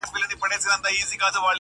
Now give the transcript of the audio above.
څه به د «میني انتظار» له نامردانو کوو-